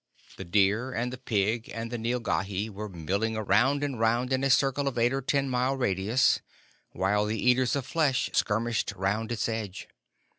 The deer and the pig and the nilghai were milling round and round in a circle of eight or ten miles radius, while the Eaters of Flesh skirmished round its edge.